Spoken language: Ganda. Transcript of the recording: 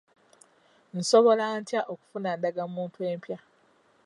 Nsobola ntya okufuna ndagamuntu empya?